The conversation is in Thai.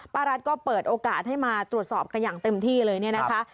รัฐก็เปิดโอกาสให้มาตรวจสอบกันอย่างเต็มที่เลยเนี่ยนะคะ